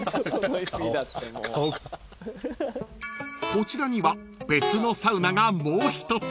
・［こちらには別のサウナがもう一つ］